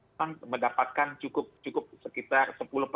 memang mendapatkan cukup sekitar sepuluh